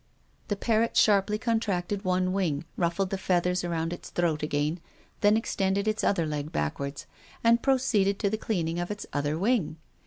The parrot sharply contracted one wing, ruffled the feathers around its throat again, then extended its other leg backwards, and proceeded to the cleaning of its other wing.